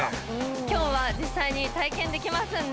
今日は実際に体験できますんで。